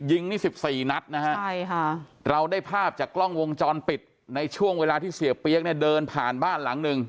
ยิงนี่๑๔นัดนะฮะใช่ค่ะเราได้ภาพจากกล้องวงจรปิดในช่วงเวลาที่เสียเปี๊ยกเนี่ยเดินผ่านบ้านหลังหนึ่ง